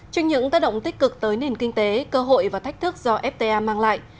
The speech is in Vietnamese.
trên những tác động tích cực tới nền kinh tế cơ hội và thách thức do fta mang lại